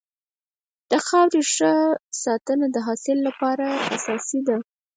د خاورې ښه ساتنه د حاصل لپاره اساسي ده.